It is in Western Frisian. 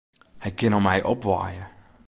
Hy kin om my opwaaie.